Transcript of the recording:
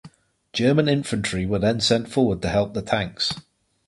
German infantry were then sent forward to help the tanks.